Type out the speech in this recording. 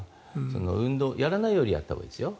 運動やらないよりやったほうがいいですよ。